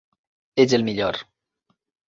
Ets el millor.